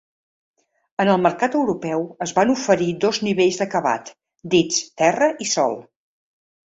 En el mercat europeu es van oferir dos nivells d'acabat, dits Terra i Sol.